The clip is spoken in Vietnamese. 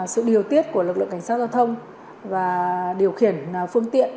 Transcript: sự điều tiết của lực lượng cảnh sát giao thông và điều khiển phương tiện